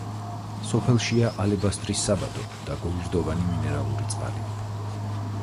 სოფელშია ალებასტრის საბადო და გოგირდოვანი მინერალური წყალი.